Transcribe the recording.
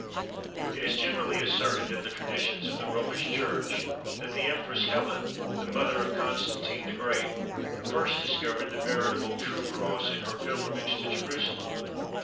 It is generally asserted, in the traditions of the Romish Church, that the Empress Helen, the mother of Constantine the Great, first discovered the veritable "true cross" in her pilgrimage to Jerusalem.